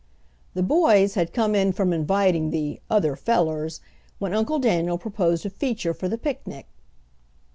The boys had come in from inviting the "other fellers," when Uncle Daniel proposed a feature for the picnic.